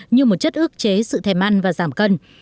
như một chất ước chế sự thèm ăn và giảm cân